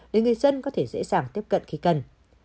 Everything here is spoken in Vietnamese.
để người dân có thể dễ dàng tiếp cận khi cần